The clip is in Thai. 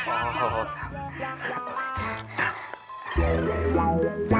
โอ้โฮครับ